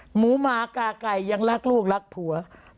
หมูหมากาไก่ยังรักลูกรักผัว